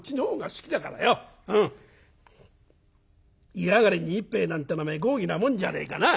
湯上がりに一杯なんておめえ豪儀なもんじゃねえかなあ」。